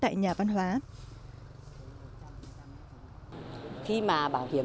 bà nguyễn thị luyến tri hội trưởng tri hội phụ nữ tổ chính thức phong phú đa dạng